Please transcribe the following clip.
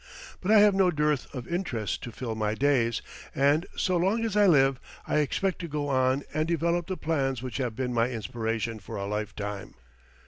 But I have no dearth of interests to fill my days, and so long as I live I expect to go on and develop the plans which have been my inspiration for a lifetime.